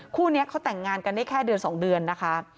คู่นี้เขาแต่งงานกันได้แค่เดือน๒เดือนนะคะ